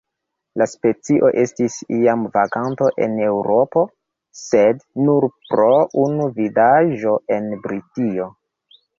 La specio estis iam vaganto en Eŭropo, sed nur pro unu vidaĵo en Britio.